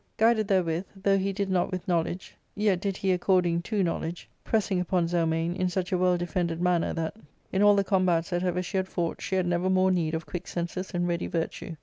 Guided therewith, though he did not with know ledge, yet did he according to knowledge, pressing upon Zelmane in such a well defended manner that, in all the combats that ever she had fought, she had never more need of quick senses and ready virtue.